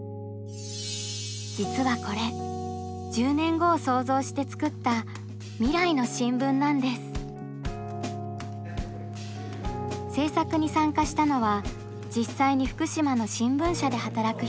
実はこれ１０年後を想像して作った「未来の新聞」なんです。制作に参加したのは実際に福島の新聞社で働く人たち。